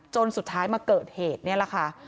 จนสุดท้ายมาเกิดเหตุนี่แหละค่ะ